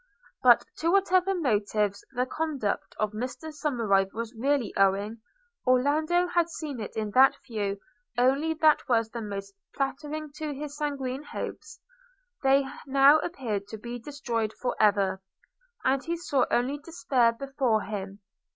But to whatever motives the conduct of Mr Somerive was really owing, Orlando had seen it in that view only that was the most flattering to his sanguine hopes: they now appeared to be destroyed for ever, and he saw only despair before him.